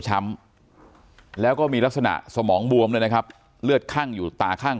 ช้ำแล้วก็มีลักษณะสมองบวมด้วยนะครับเลือดคั่งอยู่ตาข้าง